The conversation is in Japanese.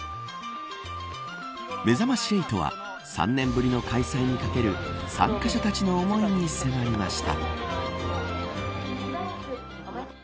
めざまし８は３年ぶりの開催にかける参加者たちの思いに迫りました。